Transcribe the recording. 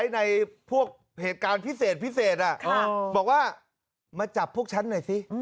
ในพวกเหตุการณ์พิเศษพิเศษบอกว่ามาจับพวกฉันหน่อยสิ